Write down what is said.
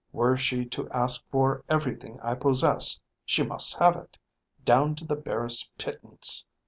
Were she to ask for everything I possess she must have it, down to the barest pittance."